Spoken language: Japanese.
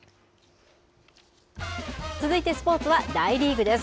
続いてスポーツは大リーグです。